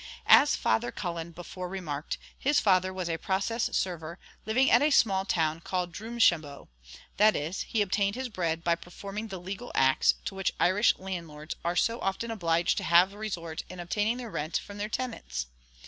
As Father Cullen before remarked, his father was a process server living at a small town called Drumshambo; that is, he obtained his bread by performing the legal acts to which Irish landlords are so often obliged to have resort in obtaining their rent from their tenants.